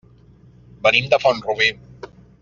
Venim de Font-rubí.